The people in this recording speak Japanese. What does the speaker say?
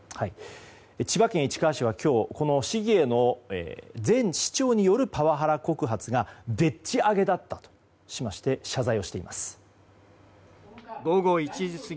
千葉県市川市は今日この市議への前市長によるパワハラ告発がでっち上げだったとしまして謝罪をしています。